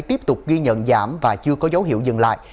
tiếp tục ghi nhận giảm và chưa có dấu hiệu dừng lại